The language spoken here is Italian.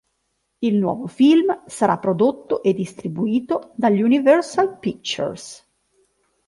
Il nuovo film sarà prodotto e distribuito dall'Universal Pictures.